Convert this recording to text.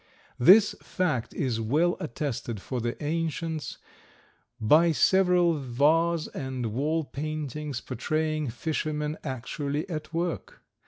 This fact is well attested for the ancients, by several vase and wall paintings portraying fishermen actually at work.